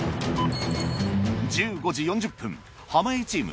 １５時４０分濱家チーム